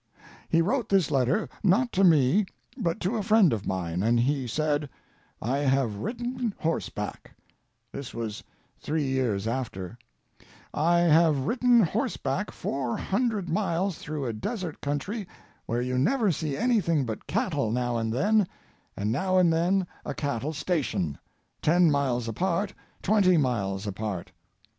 He wrote this letter, not to me, but to a friend of mine; and he said: "I have ridden horseback"——this was three years after—"I have ridden horseback four hundred miles through a desert country where you never see anything but cattle now and then, and now and then a cattle station—ten miles apart, twenty miles apart.